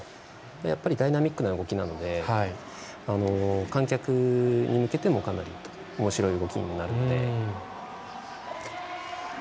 やっぱりダイナミックな動きで観客に向けてもかなりおもしろい動きになるので。